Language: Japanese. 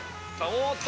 おっと！